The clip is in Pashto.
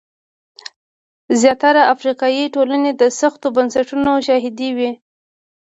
زیاتره افریقایي ټولنې د سختو بنسټونو شاهدې وې.